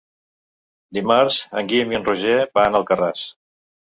Dimarts en Guim i en Roger van a Alcarràs.